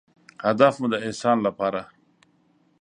هدف مو د احسان لپاره